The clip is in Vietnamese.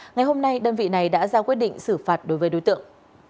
ngày hôm nay đơn vị này đã ra quyết định xử phạt đối với đối tượng